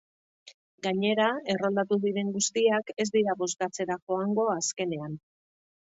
Gainera, erroldatu diren guztiak ez dira bozkatzera joango azkenean.